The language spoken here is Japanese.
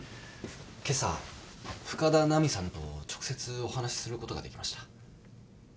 今朝深田奈美さんと直接お話しすることができました。